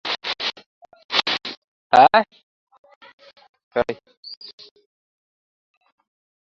প্রথম-পরিচয়ের বাধা ভাঙিতে তাহার অনেক সময় লাগে।